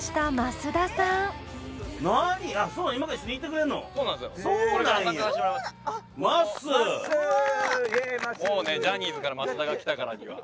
もうねジャニーズから増田が来たからには。